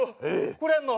くれんの？